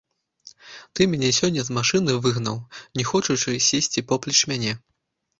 Ты мяне сёння з машыны выгнаў, не хочучы сесці поплеч мяне!